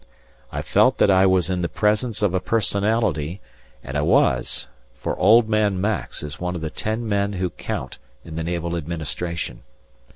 I felt that I was in the presence of a personality, and I was, for "Old Man Max" is one of the ten men who count in the Naval Administration.